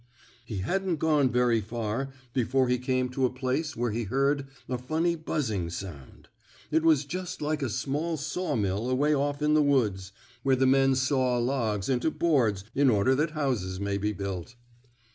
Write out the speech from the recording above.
He hadn't gone very far before he came to a place where he heard a funny buzzing sound. It was just like a small saw mill away off in the woods, where the men saw logs into boards in order that houses may be built.